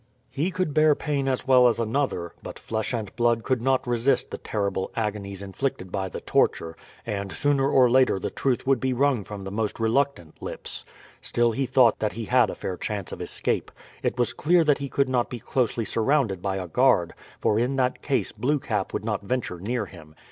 He could bear pain as well as another; but flesh and blood could not resist the terrible agonies inflicted by the torture, and sooner or later the truth would be wrung from the most reluctant lips. Still he thought that he had a fair chance of escape. It was clear that he could not be closely surrounded by a guard, for in that case Blue Cap would not venture near him.